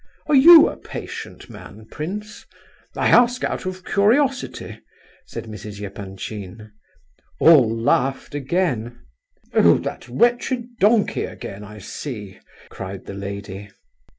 "Are you a patient man, prince? I ask out of curiosity," said Mrs. Epanchin. All laughed again. "Oh, that wretched donkey again, I see!" cried the lady.